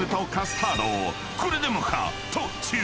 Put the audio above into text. ［これでもかと］